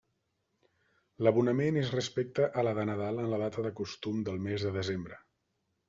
L'abonament és respecte a la de Nadal en la data de costum del mes de desembre.